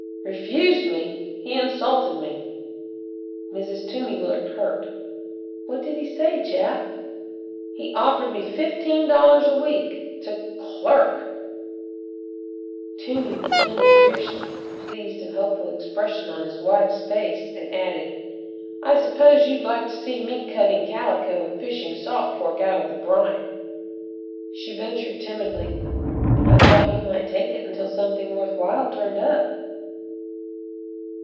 "Refused me? He insulted me!" Mrs. Toomey looked hurt. "What did he say, Jap?" "He offered me fifteen dollars a week to clerk." Toomey resented fiercely the pleased and hopeful expression on his wife's face, and added: "I suppose you'd like to see me cutting calico and fishing salt pork out of the brine?" She ventured timidly: "I thought you might take it until something worth while turned up."